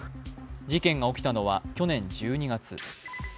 事件が起きたのは去年１２月。